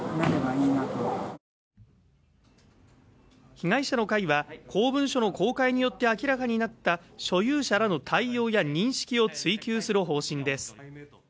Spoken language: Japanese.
被害者の会は公文書の公開によって明らかになった所有者らの対応や認識を追及する方針です